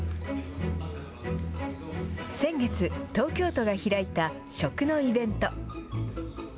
先月、東京都が開いた食のイベント。